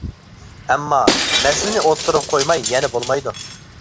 ئەمما، مەسىلىنى ئوتتۇرىغا قويماي يەنە بولمايدۇ.